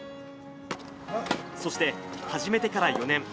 そして始めてから４年。